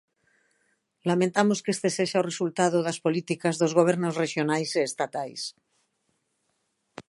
Lamentamos que este sexa o resultado das políticas dos gobernos rexionais e estatais.